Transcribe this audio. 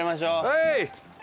はい！